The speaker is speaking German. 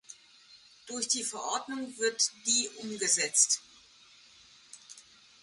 Durch die Verordnung wird die umgesetzt.